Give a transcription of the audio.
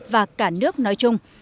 và cả nước nói chung